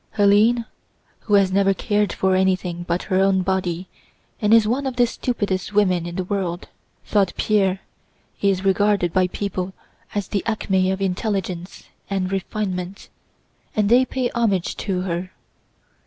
"Hélène, who has never cared for anything but her own body and is one of the stupidest women in the world," thought Pierre, "is regarded by people as the acme of intelligence and refinement, and they pay homage to her.